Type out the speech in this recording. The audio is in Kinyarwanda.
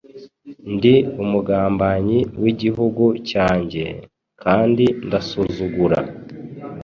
Ndi umugambanyi w'igihugu cyanjye, kandi ndasuzugura